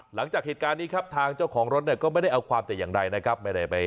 หลังจากเหตุการณ์นี้ครับทางเจ้าของรถเนี่ยก็ไม่ได้เอาความแต่อย่างใดนะครับ